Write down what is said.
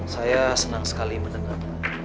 saya senang sekali mendengar